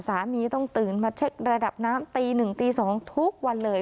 สามีต้องตื่นมาเช็กระดับน้ำตี๑ตี๒ทุกวันเลย